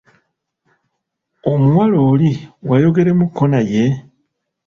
Omuwala oli wayogeremuuko naye?